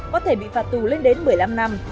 có thể bị phạt tù lên đến một mươi năm năm